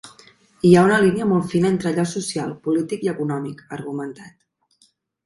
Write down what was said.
Hi ha una línia molt fina entre allò social, polític i econòmic, ha argumentat.